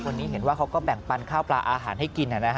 เห็นว่าเขาก็แบ่งปันข้าวปลาอาหารให้กิน